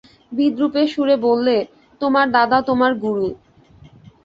বিদ্রূপের সুরে বললে, তোমার দাদা তোমার গুরু!